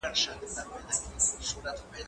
سفر د خلکو له خوا کيږي،